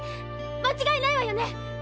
間違いないわよねえ！